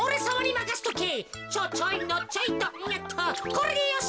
これでよし！